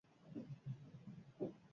Sarrerak ostiralean jarriko dituzte salgai.